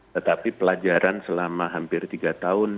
tetapi pelajaran selama hampir tiga tahun